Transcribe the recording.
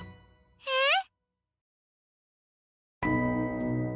えっ？